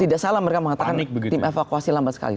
tidak salah mereka mengatakan tim evakuasi lambat sekali